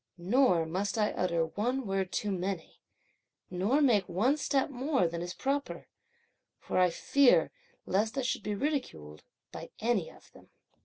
Nor must I utter one word too many, nor make one step more than is proper, for fear lest I should be ridiculed by any of them!"